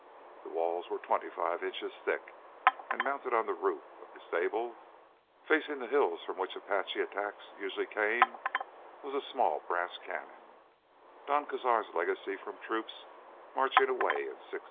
The walls were twenty five inches thick, and mounted on the roof of the stable, facing the hills from which Apache attacks usually came, was a small brass cannon—Don Cazar's legacy from troops marching away in '61.